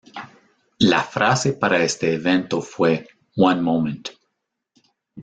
La frase para este evento fue ""One Moment.